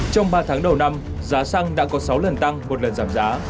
trong ba tháng đầu năm giá xăng đã có sáu lần tăng một lần giảm giá